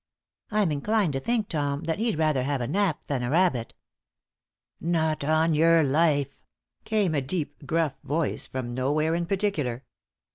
I am inclined to think, Tom, that he'd rather have a nap than a rabbit." "Not on your life!" came a deep, gruff voice from nowhere in particular.